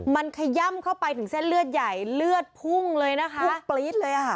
มันขย่ำเข้าไปถึงเส้นเลือดใหญ่เลือดพุ่งเลยนะคะพุ่งปรี๊ดเลยค่ะ